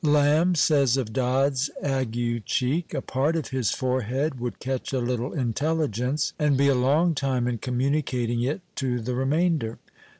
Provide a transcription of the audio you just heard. Lamb says of Dodd's Ague cheek, *' a part of his forehead would catch a little intelligence, and be a long time in comnuuiicating it to the remainder."